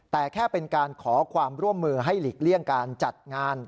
แต่แค่เป็นการขอความร่วมมือให้หลีกเลี่ยงการจัดงาน